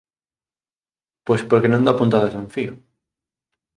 Pois porque non dá puntada sen fío